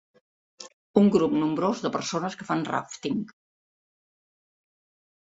Un grup nombrós de persones que fan ràfting.